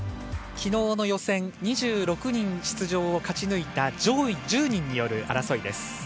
昨日の予選２６人出場を勝ち抜いた上位１０人による争いです。